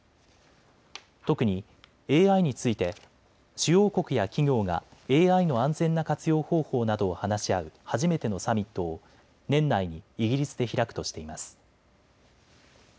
特にＡＩについて主要国や企業がＡＩの安全な活用方法などを話し合う初めてのサミットを年内にイギリスで開くとしています。